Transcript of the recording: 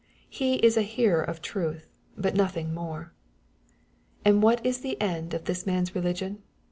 He isa~ hearer of truth, hut nothing more. And what is the end of this man's religion